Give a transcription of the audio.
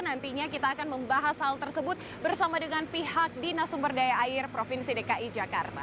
nantinya kita akan membahas hal tersebut bersama dengan pihak dinasumberdaya air provinsi dki jakarta